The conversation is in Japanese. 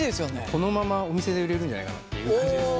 このままお店で売れるんじゃないかなっていう感じです。